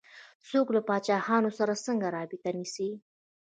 څوک له پاچاهانو سره څرنګه رابطه نیسي.